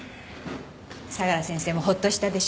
相良先生もホッとしたでしょ。